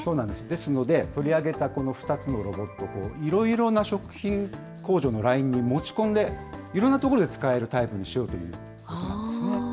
ですので、取り上げたこの２つのロボット、いろいろな食品工場のラインに持ち込んで、いろんなところで使えるタイプにしようということなんですね。